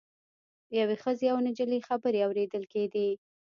یوې ښځې او نجلۍ خبرې اوریدل کیدې.